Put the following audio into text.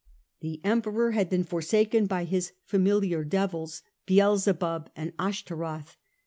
The Emperor had been forsaken by his familiar devils, Baalzebub and Ashtaroth.